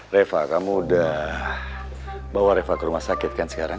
reva kamu udah bawa reva ke rumah sakit kan sekarang